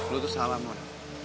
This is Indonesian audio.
lo tuh salah mon